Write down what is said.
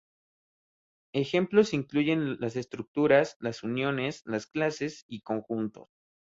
Ejemplos incluyen las estructuras, las uniones, las clases, y conjuntos.